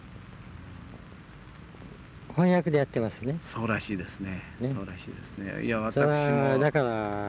そうらしいですね。